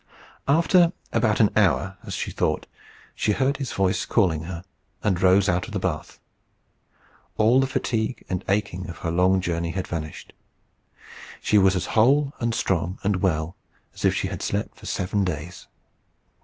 After about an hour, as she thought, she heard his voice calling her, and rose out of the bath. All the fatigue and aching of her long journey had vanished. She was as whole, and strong, and well as if she had slept for seven days.